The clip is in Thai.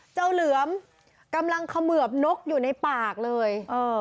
เหลือมกำลังเขมือบนกอยู่ในปากเลย